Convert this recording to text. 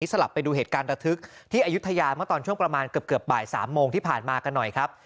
สลับไปดูเหตุการณ์ระทึกที่อายุทยาเมื่อตอนช่วงประมาณเกือบบ่าย๓โมงที่ผ่านมากันหน่อยครับ